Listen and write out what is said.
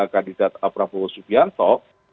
kandidat prabowo subianto